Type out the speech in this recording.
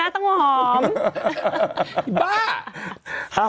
มาดามฟินนะต้องหอม